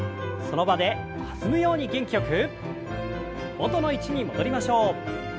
元の位置に戻りましょう。